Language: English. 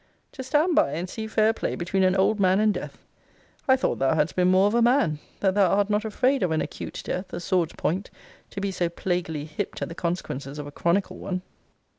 To stand by, and see fair play between an old man and death? I thought thou hadst been more of a man; that thou art not afraid of an acute death, a sword's point, to be so plaugily hip'd at the consequences of a chronical one!